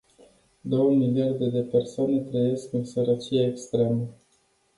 Două miliarde de persoane trăiesc în sărăcie extremă.